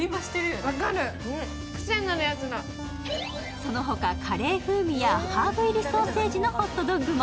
その他、カレー風味やハーブ入りソーセージのホットドッグも。